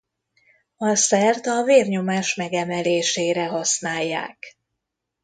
A szert a vérnyomás megemelésére használják.